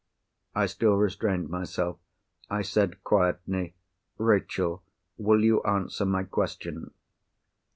I still restrained myself. I said quietly, "Rachel, will you answer my question?"